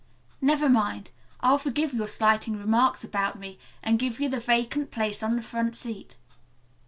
Never mind. I'll forgive your slighting remarks about me, and give you the vacant place on the front seat.